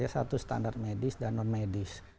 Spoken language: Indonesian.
satu standar medis dan non medis